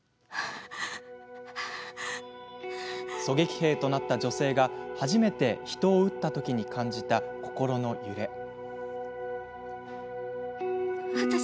狙撃兵となった女性が初めて人を撃ったときに感じた心の揺れ。